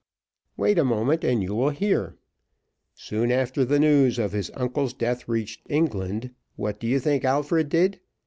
"Wait a moment, and you will hear. Soon after the news of his uncle's death reached England, what do you think Alfred did?